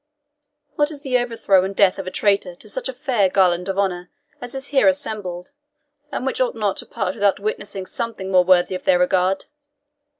What is the overthrow and death of a traitor to such a fair garland of honour as is here assembled, and which ought not to part without witnessing something more worthy of their regard?